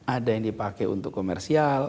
ada yang dipakai untuk komersial